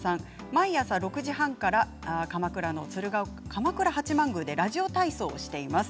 毎朝６時半から鎌倉八幡宮でラジオ体操しています。